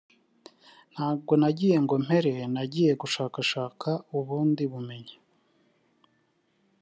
ntabwo nagiye ngo mpere nagiye gushakashaka ubundi bumenyi